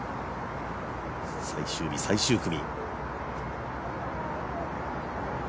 最終日、最終組。